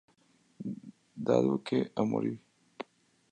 Dado que "A morir!!!